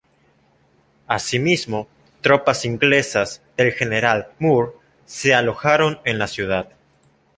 Asimismo, tropas inglesas del general Moore se alojaron en la ciudad.